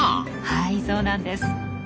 はいそうなんです。